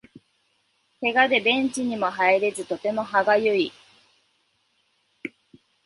ケガでベンチにも入れずとても歯がゆい